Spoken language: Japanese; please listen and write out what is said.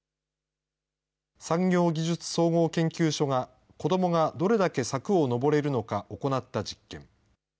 産業技術総合研究所が、子どもがどれだけ柵を登れるのか行った実験。